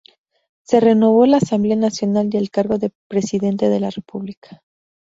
Se renovó la Asamblea Nacional y el cargo de Presidente de la República.